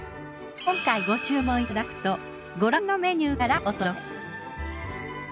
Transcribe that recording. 今回ご注文いただくとご覧のメニューからお届け。